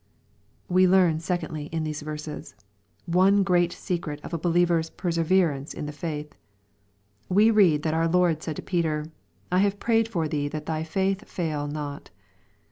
We learn, secondly, in these verses, one great secret of a believer^ s perseverance in the faith. We read that our Lord said to Peter, " I have prayed for thee that thy faith fail not.''